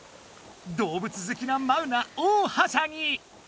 動物ずきなマウナ大はしゃぎ！